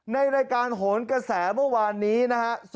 ในรายการโหนกระแสเมื่อวานนี้นะฮะ